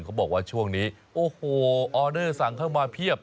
เขาบอกว่าช่วงนี้โอ้โหออเดอร์สั่งเข้ามาเพียบ